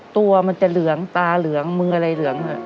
ตัวมันจะเหลืองตาเหลืองมืออะไรเหลือง